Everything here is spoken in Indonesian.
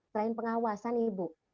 selain pengawasan nih bu